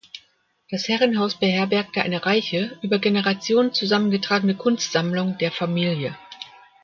Das Herrenhaus beherbergte eine reiche über Generationen zusammengetragene Kunstsammlung der Familie.